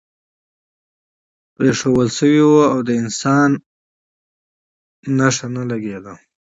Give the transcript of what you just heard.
پرېښوول شوی و او د انسان نښه نه لګېده.